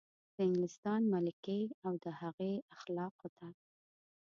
د انګلستان ملکې او د هغې اخلافو ته.